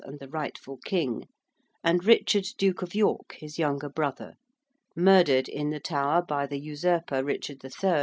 and the rightful king, and Richard Duke of York, his younger brother, murdered in the Tower by the usurper Richard III.